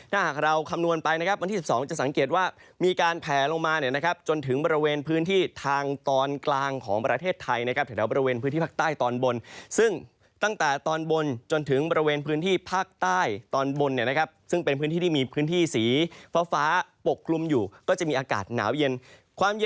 ถ้าหากเราคำนวณไปนะครับวันที่๑๒จะสังเกตว่ามีการแผลลงมาเนี่ยนะครับจนถึงบริเวณพื้นที่ทางตอนกลางของประเทศไทยนะครับแถวบริเวณพื้นที่ภาคใต้ตอนบนซึ่งตั้งแต่ตอนบนจนถึงบริเวณพื้นที่ภาคใต้ตอนบนเนี่ยนะครับซึ่งเป็นพื้นที่ที่มีพื้นที่สีฟ้าปกคลุมอยู่ก็จะมีอากาศหนาวเย็นความเย็น